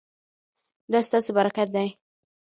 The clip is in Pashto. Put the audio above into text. دا ستاسو برکت دی